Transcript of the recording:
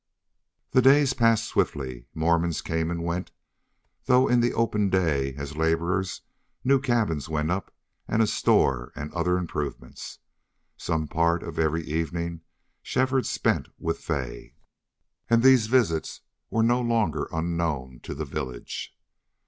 The days passed swiftly. Mormons came and went, though in the open day, as laborers; new cabins went up, and a store, and other improvements. Some part of every evening Shefford spent with Fay, and these visits were no longer unknown to the village.